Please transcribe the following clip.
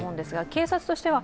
警察としては